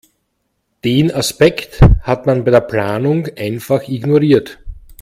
Den Aspekt hat man bei der Planung einfach ignoriert.